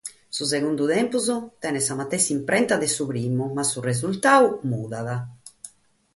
Su segundu tempus tenet sa matessi imprenta de su primu, ma su resurtadu mudat.